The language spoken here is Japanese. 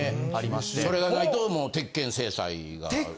それがないともう鉄拳制裁がある？